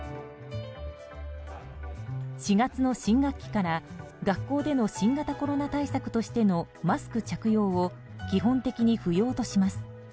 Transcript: ４月の新学期から学校での新型コロナ対策としてのマスク着用を基本的に不要とします。